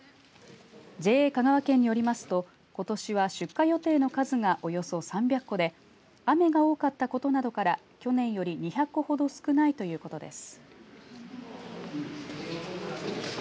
ＪＡ香川県によりますとことしは出荷予定の数がおよそ３００個で雨が多かったことなどから去年より２００個ほど少ないということです。